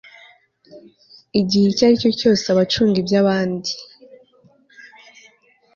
igihe icyo ari cyo cyose abacunga iby abandi